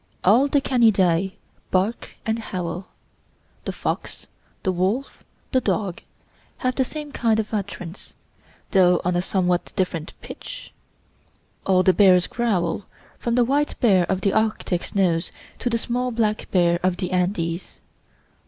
All the Canidae bark and howl! the fox, the wolf, the dog, have the same kind of utterance, though on a somewhat different pitch. All the bears growl, from the white bear of the Arctic snows to the small black bear of the Andes.